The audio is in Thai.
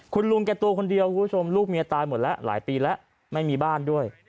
คุณลุงแกตัวคนเดียวคุณผู้ชมลูกเมียตายหมดแล้วหลายปีแล้วไม่มีบ้านด้วย